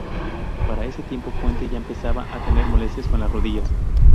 Para ese tiempo Puente ya empezaba a tener molestias con las rodillas.